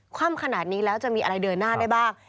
คว่ำขนาดนี้แล้วจะมีอะไรเดินหน้าได้บ้าง